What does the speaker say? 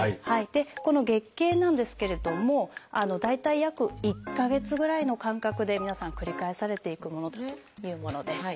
この月経なんですけれども大体約１か月ぐらいの間隔で皆さん繰り返されていくものというものです。